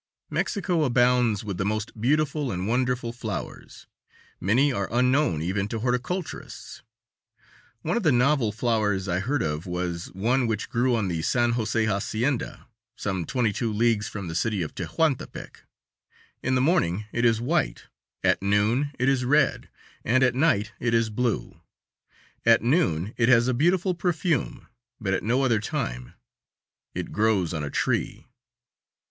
Mexico abounds with the most beautiful and wonderful flowers. Many are unknown even to horticulturists. One of the novel flowers I heard of was one which grew on the San Jose hacienda, some twenty two leagues from the City of Tehuantepec. In the morning it is white, at noon it is red, and at night it is blue. At noon it has a beautiful perfume, but at no other time. It grows on a tree.